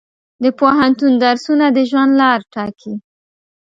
د پوهنتون درسونه د ژوند لاره ټاکي.